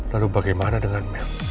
lalu bagaimana dengan mel